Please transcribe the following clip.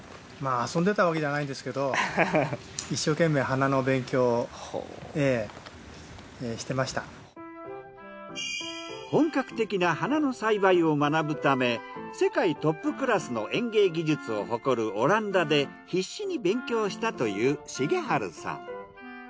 遊んでたわけじゃないですけど本格的な花の栽培を学ぶため世界トップクラスの園芸技術を誇るオランダで必死に勉強したという重治さん。